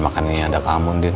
makannya ada kamu din